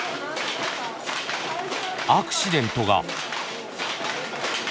アクシデントが。